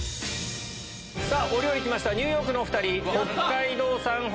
さぁお料理来ましたニューヨークのお２人。